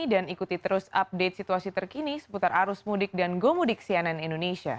dan ikuti terus update situasi terkini seputar arus mudik dan gomudik sianan indonesia